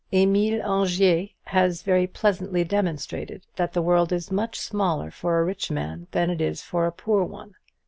Emile Angier has very pleasantly demonstrated that the world is much smaller for a rich man than it is for a poor one.